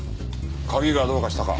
鍵がどうかしたか？